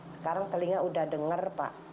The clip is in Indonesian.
sekarang telinga udah dengar pak